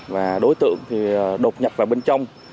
và đối tượng thì đột nhập vào bên trong